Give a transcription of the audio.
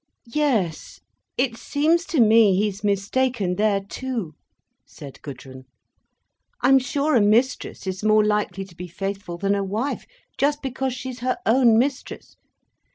"Yes. It seems to me he's mistaken there too," said Gudrun. "I'm sure a mistress is more likely to be faithful than a wife—just because she is her own mistress.